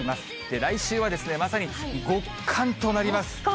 来週はまさに極寒となります。